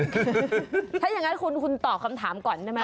คือถ้าอย่างนั้นคุณตอบคำถามก่อนได้ไหม